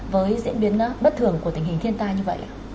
với diễn biến bất thường của tình hình thiên tai như vậy